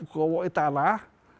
gowok di tanah